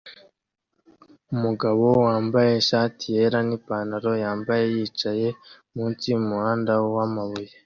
Umugabo wambaye ishati yera nipantaro yambaye yicaye munsi yumuhanda wamabuye